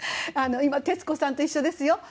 今徹子さんと一緒ですよ。